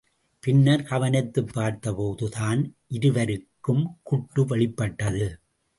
பின்னர் கவனித்துப் பார்த்தபோது தான் இருவருக்கும் குட்டு வெளிப்பட்டது!